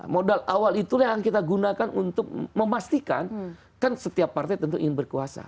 modal awal itulah yang akan kita gunakan untuk memastikan kan setiap partai tentu ingin berkuasa